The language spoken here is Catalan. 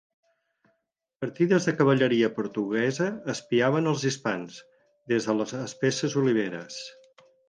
Partides de cavalleria portuguesa espiaven als hispans, des de les espesses oliveres.